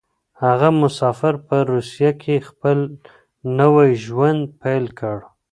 هغه مسافر په روسيه کې خپل نوی ژوند پيل کړ.